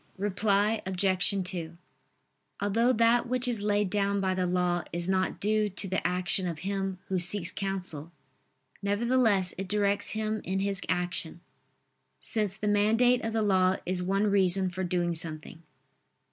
Reply Obj. 2: Although that which is laid down by the law is not due to the action of him who seeks counsel, nevertheless it directs him in his action: since the mandate of the law is one reason for doing something.